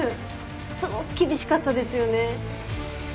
すごく厳しかったですよね。